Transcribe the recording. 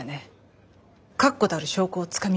確固たる証拠をつかみましょう。